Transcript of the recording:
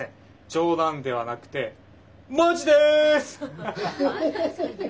冗談ではなくてマジです！